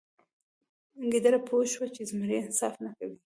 ګیدړه پوه شوه چې زمری انصاف نه کوي.